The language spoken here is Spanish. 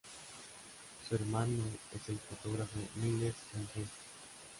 Su hermano es el fotógrafo Miles Aldridge.